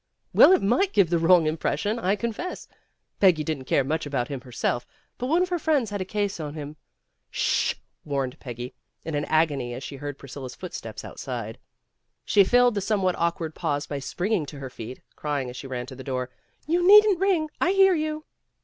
1 'Well, it might give the wrong impression, I confess. Peggy didn't care much about him herself, but one of her friends had a case on him." "Sh!" warned Peggy, in an agony as she heard Priscilla's footsteps outside. She filled the somewhat awkward pause by springing to her feet, crying as she ran to the door, "You needn't ring; I hear you."